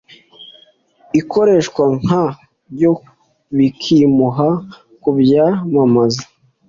Ikoreshwa nka byo kubimuha kubyamamaza